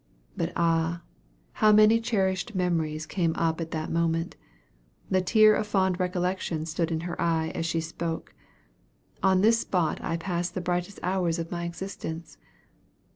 But ah! how many cherished memories came up at that moment! The tear of fond recollection stood in her eye as she spoke: "On this spot I passed the brightest hours of my existence."